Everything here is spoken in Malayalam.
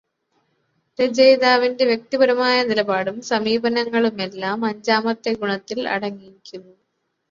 രചയിതാവിന്റെ വ്യക്തിപരമായ നിലപാടും സമീപനങ്ങളുമെല്ലാം അഞ്ചാമത്തെ ഗുണത്തിൽ അടങ്ങിയിരിക്കുന്നു.